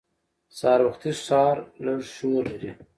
سهار وختي ښار لږ شور لري